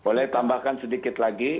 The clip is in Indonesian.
boleh tambahkan sedikit lagi